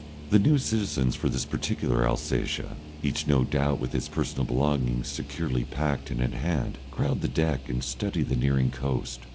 The new citizens for this particular Alsatia, each no doubt with his personal belongings securely packed and at hand, crowd the deck and study the nearing coast.